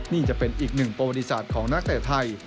นี่จะเป็นอีกหนึ่งประวัติศาสตร์ของนักเตะไทย